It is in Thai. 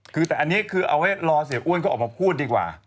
คือแต่อันนี้คือเอาไว้รอเสียอ้วนเขาออกมาพูดดีกว่า